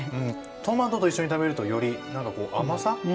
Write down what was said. トマトと一緒に食べるとより何かこう甘さが引き立って。